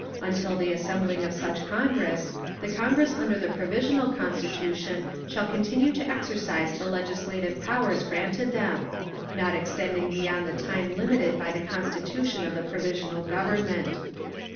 Until the assembling of such Congress, the Congress under the Provisional Constitution shall continue to exercise the legislative powers granted them; not extending beyond the time limited by the Constitution of the Provisional Government.